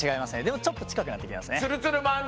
でもちょっと近くなってきましたね。